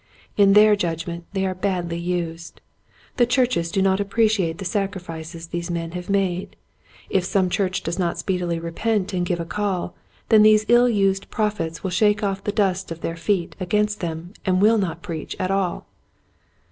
In their judgment they are badly used. The churches do not appreciate the sacrifices these men have made. If some church does not speedily repent and give a call then these ill used prophets will shake off the dust of their feet against them and will not preach at all